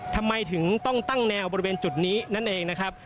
ทำไมถึงต้องตั้งแนวบริเวณจุดนี้นั่นเองนะครับ